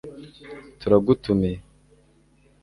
Turagutumiye